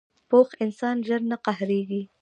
پوخ انسان ژر نه قهرېږي